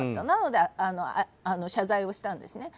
なので、謝罪をしたんです。